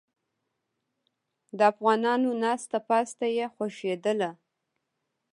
د افغانانو ناسته پاسته یې خوښیدله.